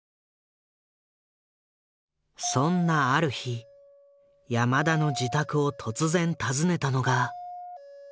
そんなある日山田の自宅を突然訪ねたのが。